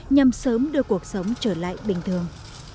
nhằm sớm đưa cuộc sống trở lại bình thường